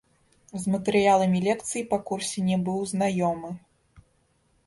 З матэрыяламі лекцый па курсе не быў знаёмы.